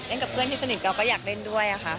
กับเพื่อนที่สนิทเราก็อยากเล่นด้วยค่ะ